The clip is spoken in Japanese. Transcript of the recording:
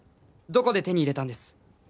どこで手に入れたんです？